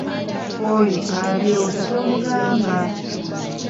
Oyo abyokya tomugamba.